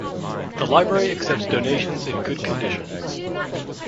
The library accepts donations in good condition.